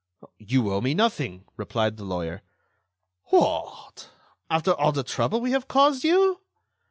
"You owe me nothing," replied the lawyer. "What! After all the trouble we have caused you!"